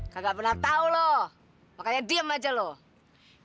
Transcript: kagak pernah tahu loh makanya diem aja loh